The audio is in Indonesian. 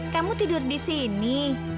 kamu tidur di sini